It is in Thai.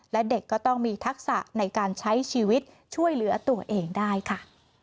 และเด็กก็ต้องมีทักษะในการใช้ชีวิตช่วยเหลือตัวเองได้ค่ะ